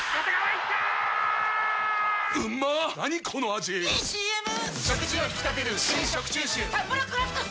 ⁉いいＣＭ！！